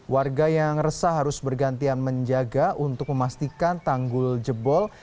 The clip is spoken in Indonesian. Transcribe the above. warga yang resah harus bergantian menjaga untuk memastikan tanggul jebol